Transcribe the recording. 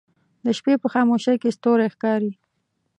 د شپې په خاموشۍ کې ستوری ښکاري